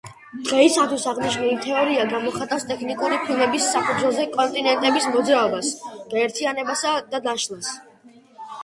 დღეისათვის აღნიშნული თეორია გამოხატავს ტექტონიკური ფილების საფუძველზე კონტინენტების მოძრაობას, გაერთიანებასა და დაშლას.